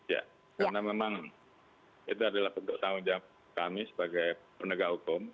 ya karena memang itu adalah bentuk tanggung jawab kami sebagai penegak hukum